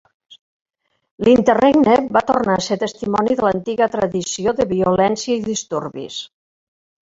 L'interregne va tornar a ser testimoni de l'antiga "tradició" de violència i disturbis.